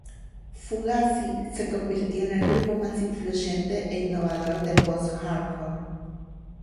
Fugazi se convirtió en el grupo más influyente e innovador de post-hardcore.